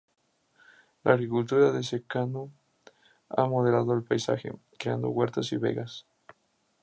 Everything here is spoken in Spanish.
La agricultura de secano ha modelado el paisaje, creando huertas y vegas.